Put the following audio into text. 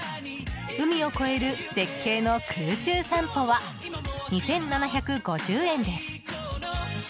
海を越える絶景の空中散歩は２７５０円です。